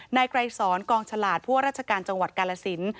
นายไกรสอนกองฉลาดผู้ว่าราชการจังหวัดกาลสิน